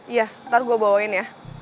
iya ntar gue bawain ya